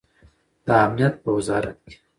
د امنیت په وزارت کې